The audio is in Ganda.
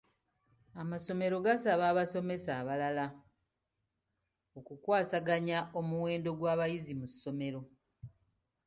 Amasomero gasaba abasomesa abalala okukwasaganya omuwendo gw'abayizi mu ssomero.